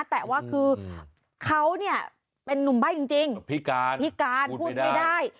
แต่ว่าคือเขาเนี่ยเป็นนุ่มใบ้จริงพิการพิการพูดไม่ได้